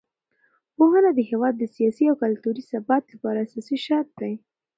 پوهنه د هېواد د سیاسي او کلتوري ثبات لپاره اساسي شرط دی.